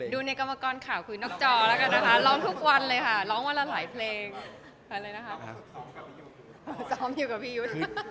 ดูในกรรมกรณ์ข่าวคือนอกจอแล้วกันนะคะ